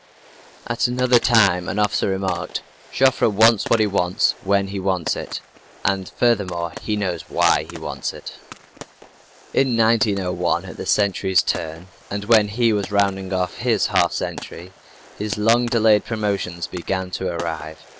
At another time an officer remarked: "Joffre wants what he wants when he wants it and furthermore he knows why he wants it!" In 1901, at the century's turn, and when he was rounding out his half century, his long delayed promotions began to arrive.